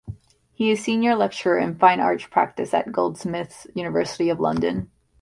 He is a Senior Lecturer in Fine Art Practice at Goldsmiths, University of London.